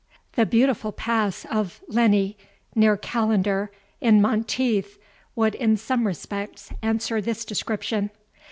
[The beautiful pass of Leny, near Callander, in Monteith, would, in some respects, answer this description.